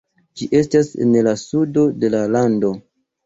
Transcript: Ĝi estas en la sudo de la lando.